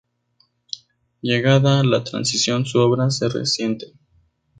Llegada la Transición, su obra se resiente.